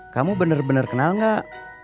kamu bener bener kenal gak